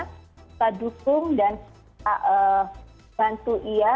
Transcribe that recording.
kita dukung dan bantu ia